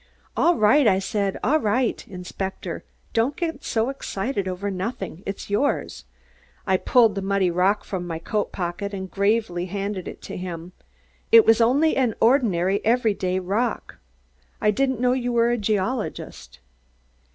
"All right," I said; "all right, Inspector, don't get so excited over nothing. It's yours." I pulled the muddy rock from my coat pocket and gravely handed it to him. "It was only an ordinary, every day rock. I didn't know you were a geologist."